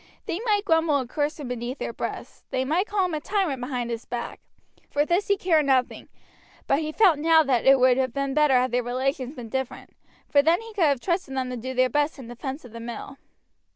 They might grumble and curse him beneath their breaths; they might call him a tyrant behind his back, for this he cared nothing: but he felt now that it would have been better had their relations been different: for then he could have trusted them to do their best in defense of the mill.